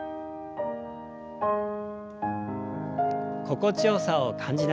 心地よさを感じながら。